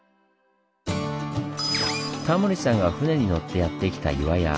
タモリさんが船に乗ってやってきた岩屋。